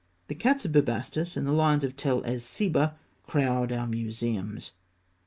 The cats of Bubastis and the lions of Tell es Seba crowd our museums.